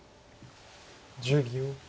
１０秒。